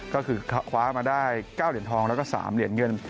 ก็คือคว้ามาได้๙เหรียญทองแล้วก็๓เหรียญเงิน